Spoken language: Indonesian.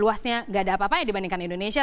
luasnya tidak ada apa apanya dibandingkan indonesia